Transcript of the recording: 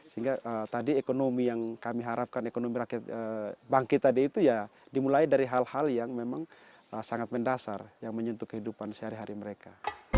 sehingga tadi ekonomi yang kami harapkan ekonomi rakyat bangkit tadi itu ya dimulai dari hal hal yang memang sangat mendasar yang menyentuh kehidupan sehari hari mereka